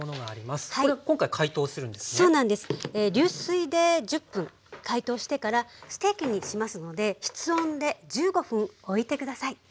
流水で１０分解凍してからステーキにしますので室温で１５分おいて下さい。